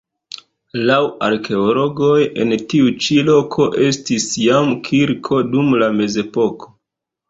Laŭ arkeologoj en tiu ĉi loko estis jam kirko dum la mezepoko.